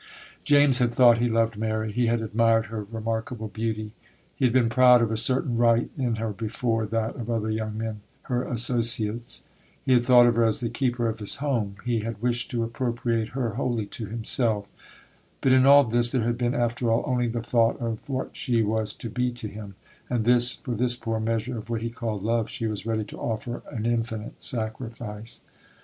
James had thought he loved Mary; he had admired her remarkable beauty; he had been proud of a certain right in her before that of other young men, her associates; he had thought of her as the keeper of his home; he had wished to appropriate her wholly to himself;—but in all this there had been, after all, only the thought of what she was to be to him; and this, for this poor measure of what he called love, she was ready to offer an infinite sacrifice.